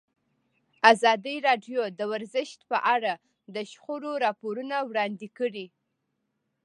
ازادي راډیو د ورزش په اړه د شخړو راپورونه وړاندې کړي.